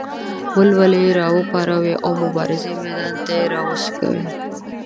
ولولې یې راوپاروي او د مبارزې میدان ته یې راوڅکوي.